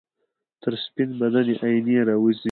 تر سپین بدن یې آئینې راوځي